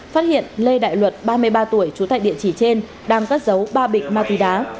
phát hiện lê đại luật ba mươi ba tuổi trú tại địa chỉ trên đang cất giấu ba bịch ma túy đá